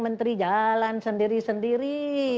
menteri jalan sendiri sendiri